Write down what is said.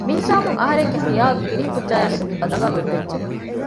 މިހިސާބުން އަހަރެންގެ ޚިޔާލު ފިރިހެންކުއްޖާއާ މެދު ބަދަލުވާ ގޮތްވެއްޖެ